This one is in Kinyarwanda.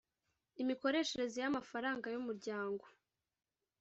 imikoreshereze y amafaranga y umuryango